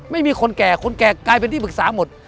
ไม่มีคนแก่คนแก่กลายเป็นที่ปรึกษาหมด